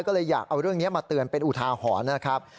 ก็เลยอยากเอาเรื่องนี้มาเตือนเป็นอุทาหรณ์นะครับ